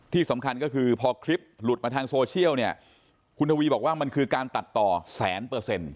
ที่สำคัญก็คือพอคลิปหลุดมาทางโซเชียลเนี่ยคุณทวีบอกว่ามันคือการตัดต่อแสนเปอร์เซ็นต์